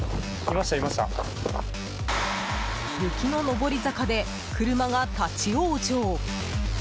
雪の上り坂で、車が立ち往生。